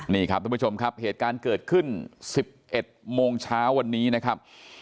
นี่ครับทุกผู้ชมครับเหตุการณ์เกิดขึ้น๑๑โมงเช้าวันนี้นะครับ